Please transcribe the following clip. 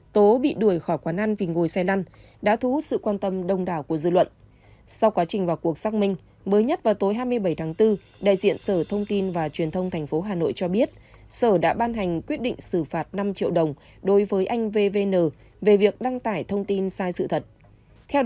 thời gian qua vụ nam tiktoker tố bị đuổi khỏi quán ăn vì ngồi sạch